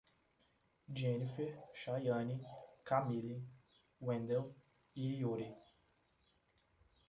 Dienifer, Chaiane, Camille, Wendell e Iure